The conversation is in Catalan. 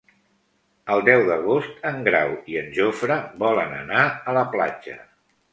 El deu d'agost en Grau i en Jofre volen anar a la platja.